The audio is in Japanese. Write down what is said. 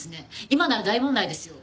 今なら大問題ですよ。